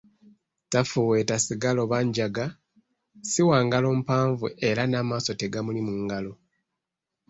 Tafuweeta sigala oba njaga, si wangalo mpanvu era n'amaaso tegamuli mu ngalo.